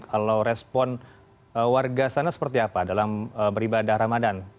kalau respon warga sana seperti apa dalam beribadah ramadan